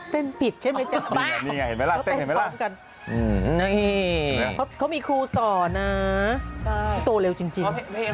ที่ก็มีคู่สอนน่ะตัวเยอะจริง